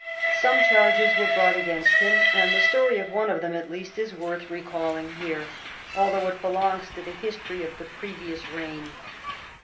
Some charges were brought against him, and the story of one of them, at least, is worth recalling here, although it belongs to the history of the previous reign.